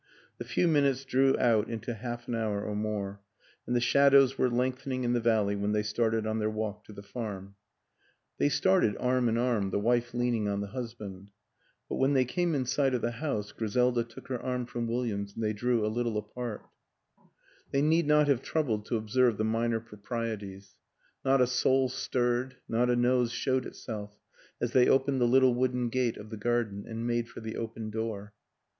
The few minutes drew out into half an hour or more, and the shadows were lengthening in the valley when they started on their walk to the farm. They started arm in arm, the wife leaning on the husband; but when they came in sight of the house Griseida took her arm from William's and they drew a little apart. 65 66 WILLIAM AN ENGLISHMAN They need not have troubled to observe the minor proprieties; not a soul stirred, not a nose showed itself as they opened the little wooden gate of the garden and made for the open door.